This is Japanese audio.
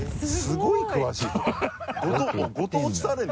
すごい詳しいね。